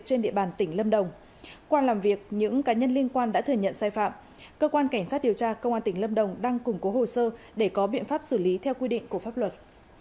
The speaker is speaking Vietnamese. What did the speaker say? trên địa bàn tỉnh lâm đồng qua làm việc những cá nhân liên quan đã thừa nhận sai phạm cơ quan cảnh sát điều tra công an tỉnh lâm đồng đang củng cố hồ sơ để có biện pháp xử lý theo quy định của pháp luật